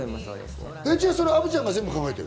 アヴちゃんが全部考えてる？